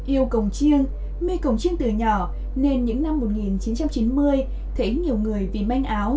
yêu cồng chiêng mê cồng chiêng từ nhỏ nên những năm một nghìn chín trăm chín mươi thấy nhiều người vì manh áo